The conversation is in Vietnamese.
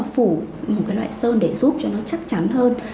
phủ một cái loại sơn để giúp cho nó chắc chắn hơn